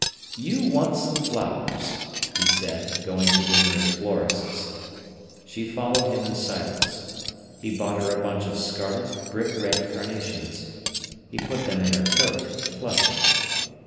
"You want some flowers," he said, going to the nearest florist's. She followed him in silence. He bought her a bunch of scarlet, brick red carnations. She put them in her coat, flushing.